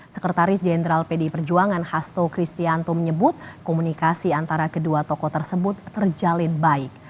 sekretaris jenderal pdi perjuangan hasto kristianto menyebut komunikasi antara kedua tokoh tersebut terjalin baik